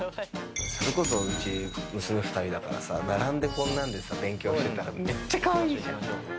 それこそうち娘２人だからさ並んでこんなんで勉強してたらめっちゃカワイイじゃん。